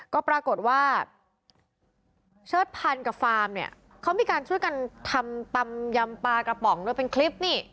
ก็ปรากฏว่าเชิดพันกับฟาร์มเนี่ยเขามีการช่วยกันทำตำยำปลากระป๋องด้วยเป็นคลิปนี่